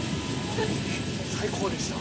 ええ最高でした。